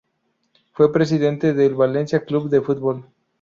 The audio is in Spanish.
Fue presidente del Valencia Club de Fútbol.